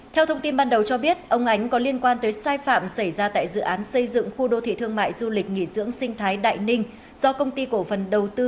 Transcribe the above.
theo thông tin ban đầu cho biết ông ánh có liên quan tới sai phạm xảy ra tại dự án xây dựng khu đô thị thương mại du lịch nghỉ dưỡng sinh thái đại ninh do công ty cổ phần đầu tư